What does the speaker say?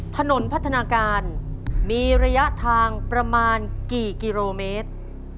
ถนนพัฒนาการมีระยะทางประมาณกี่กิโลเมตร